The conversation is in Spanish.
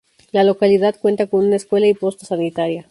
La localidad cuenta con una escuela y posta sanitaria.